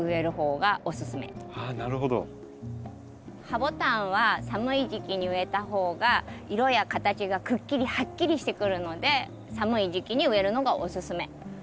ハボタンは寒い時期に植えた方が色や形がくっきりはっきりしてくるので寒い時期に植えるのがおすすめ。